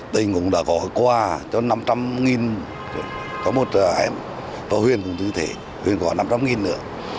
tình cũng đã gọi qua cho năm trăm linh có một em và huyền cũng như thế huyền gọi năm trăm linh nữa